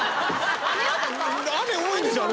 雨多いんですよ